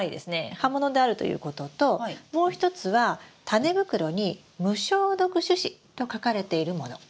葉物であるということともう一つはタネ袋に「無消毒種子」と書かれているもの。